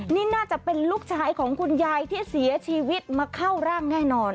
นี่น่าจะเป็นลูกชายของคุณยายที่เสียชีวิตมาเข้าร่างแน่นอน